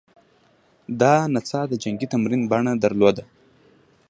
دا نڅا د جنګي تمرین بڼه درلوده